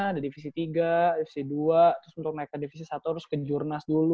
ada divisi tiga divisi dua terus untuk naik ke divisi satu harus ke jurnas dulu